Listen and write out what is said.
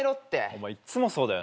お前いっつもそうだよな。